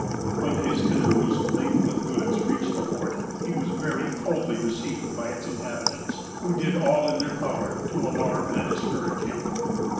When his canoes, laden with goods, reached the fort, he was very coldly received by its inhabitants, who did all in their power to alarm and discourage him.